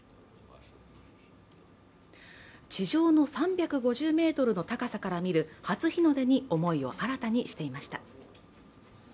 地上の３５０ｍの高さから見る初日の出に思いを新たにしていました。